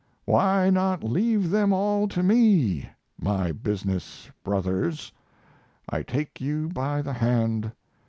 "Why not leave them all to me?" My business brothers? I take you by the hand!